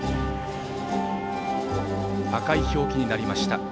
赤い表記になりました。